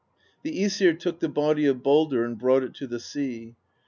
"The ^sir took the body of Baldr and brought it to the sea.